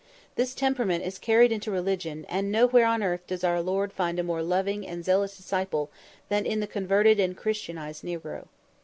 This temperament is carried into religion, and nowhere on earth does our Lord find a more loving and zealous disciple than in the converted and Christianized negro.